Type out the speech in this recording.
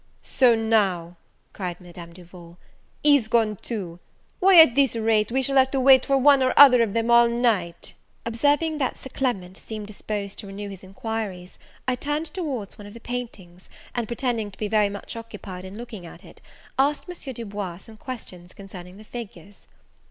"So, now", cried Madame Duval, "he's gone too! why, at this rate, we shall have to wait for one or other of them all night!" Observing that Sir Clement seemed disposed to renew his enquiries, I turned towards one of the paintings, and, pretending to be very much occupied in looking at it, asked M. Du Bois some questions concerning the figures.